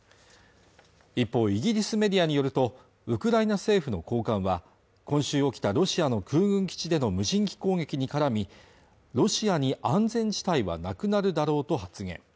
一方イギリスメディアによるとウクライナ政府の高官は今週起きたロシアの空軍基地での無人機攻撃に絡みロシアに安全地帯はなくなるだろうと発言